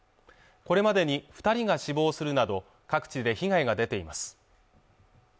これまでに二人が死亡するなど各地で被害が出ています